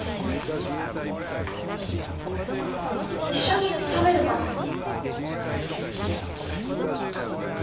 一緒に食べるから。